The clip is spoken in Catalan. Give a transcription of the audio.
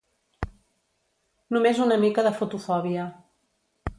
Només una mica de fotofòbia.